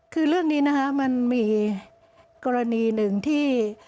คือเรื่องนี้นะคะมันมีกรณีหนึ่งที่